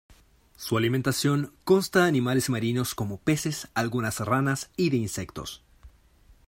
Su alimentación consta de animales marinos como peces, algunas ranas, y de insectos.